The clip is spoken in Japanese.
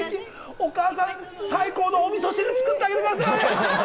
お母さん、最高のお味噌汁、作ってあげてください！